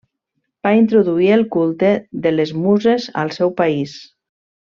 Va introduir el culte de les Muses al seu país.